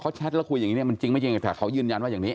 แชทแล้วคุยอย่างนี้เนี่ยมันจริงไม่จริงแต่เขายืนยันว่าอย่างนี้